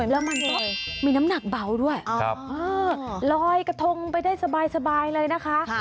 แล้วมันก็มีน้ำหนักเบาด้วยลอยกระทงไปได้สบายเลยนะคะ